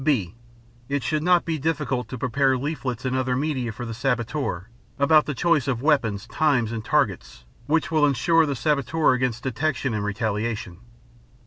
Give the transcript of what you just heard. (b) It should not be difficult to prepare leaflets and other media for the saboteur about the choice of weapons, time, and targets which will insure the saboteur against detection and retaliation.